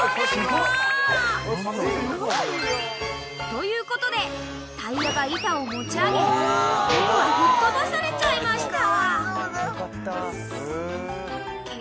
［ということでタイヤが板を持ち上げ僕は吹っ飛ばされちゃいました］